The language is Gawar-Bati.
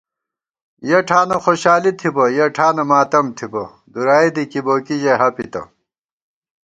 یَہ ٹھانہ خوشالی تھِبہ یَہ ٹھانہ ماتم تھِبہ دُرائےدی کِبوکی ژَئی ہَپپتہ